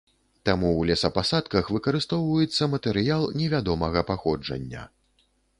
Таму ў лесапасадках выкарыстоўваецца матэрыял невядомага паходжання.